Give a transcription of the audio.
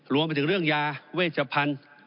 รวมไปถึงเรื่องยาเวชพันธุ์